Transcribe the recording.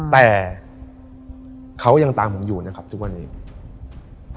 แต่เขายังตามผมอยู่นะครับทุกวันนี้